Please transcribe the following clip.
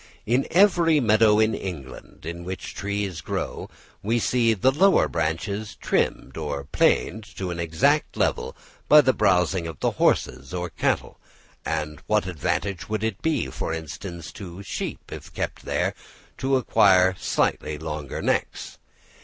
In every meadow in England, in which trees grow, we see the lower branches trimmed or planed to an exact level by the browsing of the horses or cattle; and what advantage would it be, for instance, to sheep, if kept there, to acquire slightly longer necks?